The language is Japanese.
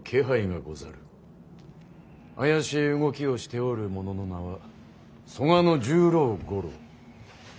怪しい動きをしておる者の名は曽我十郎五郎。